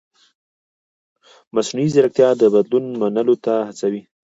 مصنوعي ځیرکتیا د بدلون منلو ته هڅوي.